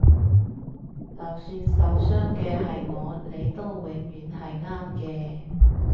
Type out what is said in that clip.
就算受傷嘅係我你都永遠係啱嘅